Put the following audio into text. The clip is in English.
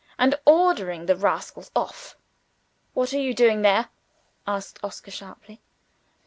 and ordering the rascals off. "What are you doing there?" asked Oscar sharply.